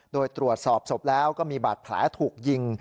โดยตรวจสอบศพแล้วก็มีบาดแผลถูกยิง